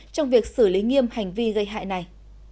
trong việc xử lý nghiêm hành vi gây hại này